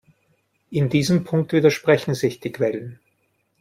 In diesem Punkt widersprechen sich die Quellen.